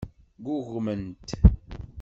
Ggugment.